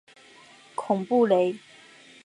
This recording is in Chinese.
孔布雷。